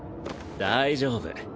大丈夫。